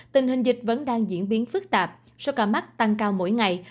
tình hình dịch vẫn đang diễn biến phức tạp số ca mắc tăng cao mỗi ngày